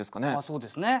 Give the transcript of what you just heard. そうですね。